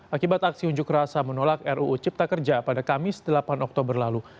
akibat aksi unjuk rasa menolak ruu cipta kerja pada kamis delapan oktober lalu